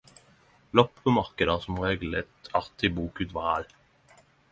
Loppemarked har som regel eit artid bokutval.